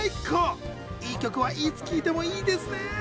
いい曲はいつ聴いてもいいですね。